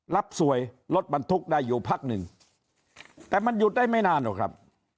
รับสวยรถบรรทุกได้อยู่พักหนึ่งแต่มันหยุดได้ไม่นานหรอกครับ